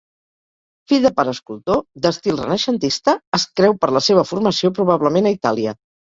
Fill de pare escultor, d'estil renaixentista, es creu per la seva formació probablement a Itàlia.